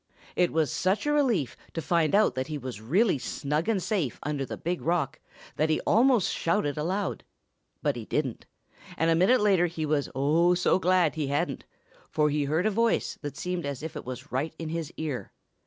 It was such a relief to find that he was really snug and safe under the big rock that he almost shouted aloud. But he didn't, and a minute later he was, oh, so glad he hadn't, for he heard a voice that seemed as if it was right in his ear.